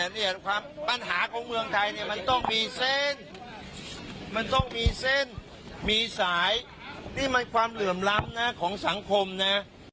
มีเส้นมีสายนี่มันความเหลื่อมล้ำนะของสังคมนะ